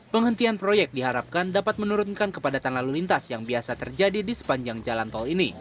penghentian proyek diharapkan dapat menurunkan kepadatan lalu lintas yang biasa terjadi di sepanjang jalan tol ini